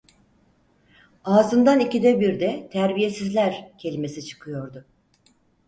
Ağzından ikide birde "Terbiyesizler!" kelimesi çıkıyordu.